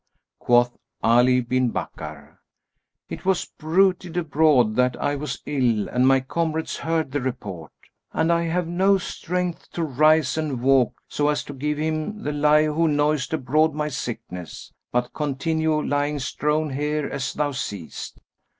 Quoth Ali bin Bakkar, "It was bruited abroad that I was ill and my comrades heard the report; and I have no strength to rise and walk so as to give him the lie who noised abroad my sickness, but continue lying strown here as thou seest.